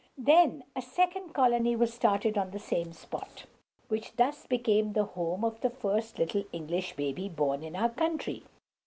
Then a second colony was started on the same spot, which thus became the home of the first little English baby born in our country.